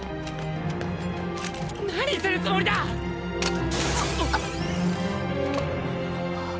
何するつもりだ⁉うっ！！